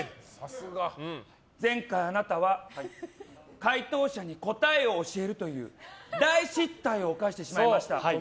前回あなたは回答者に答えを教えるという大失態を犯してしまいました。